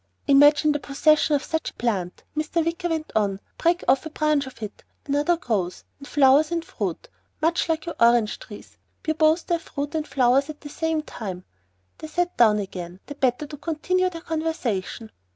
"Imagine the possession of such a plant!" Mr. Wicker went on. "Break off a branch of it another grows. And flowers and fruit much like your orange trees bear both their fruit and flowers at the same time." They sat down again, the better to continue their conversation.